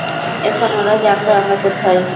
এখন ওরা জানবে আমরা কোথায়।